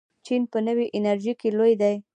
چین په نوې انرژۍ کې لوی دی.